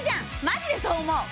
マジでそう思う！